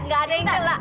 nggak ada yang nyalah